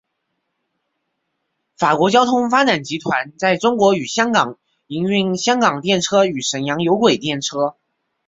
法国交通发展集团在中国与香港营运香港电车与沈阳有轨电车。